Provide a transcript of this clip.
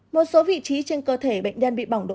một số vị trí trên cơ thể bệnh nhân bị bỏng độ ba